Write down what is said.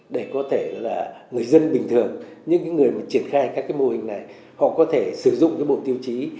để có thể là người dân bình thường những người mà triển khai các cái mô hình này họ có thể sử dụng cái bộ tiêu chí